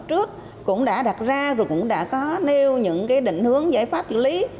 trước cũng đã đặt ra rồi cũng đã có nêu những cái định hướng giải pháp chữ lý